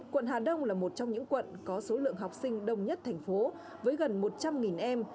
quận hà đông là một trong những quận có số lượng học sinh đông nhất thành phố với gần một trăm linh em